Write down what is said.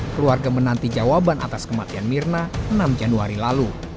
keluarga menanti jawaban atas kematian mirna enam januari lalu